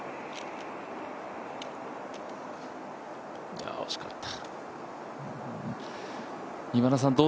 いや、惜しかった。